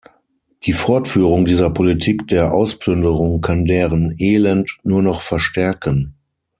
Die Fortführung dieser Politik der Ausplünderung kann deren Elend nur noch verstärken.